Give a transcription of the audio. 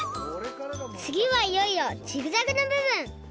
つぎはいよいよジグザグの部分！